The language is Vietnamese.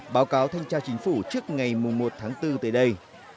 báo cáo thanh tra chính phủ trước ngày một tháng bốn tới đây